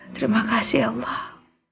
terima kasih allah